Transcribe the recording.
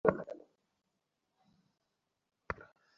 কিন্তু আমাদের চোখ সত্যের সাক্ষী।